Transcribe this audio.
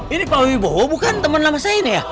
ini pak wibowo bukan temen lama saya nih ya